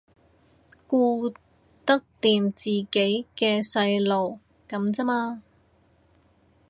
顧得掂自己嘅細路噉咋嘛